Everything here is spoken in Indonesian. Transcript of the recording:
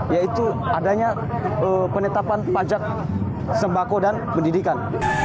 yaitu adanya penetapan pajak sembako dan pendidikan